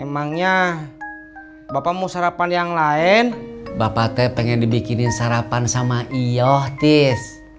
emangnya bapak mau sarapan yang lain bapak teh pengen dibikinin sarapan sama iya tis